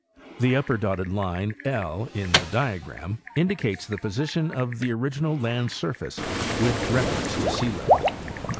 The upper dotted line L in the diagram indicates the position of the original land surface with reference to sealevel.